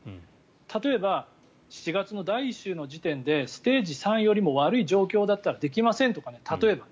例えば、７月の第１週の時点でステージ３よりも悪い状況だったらできませんとかね。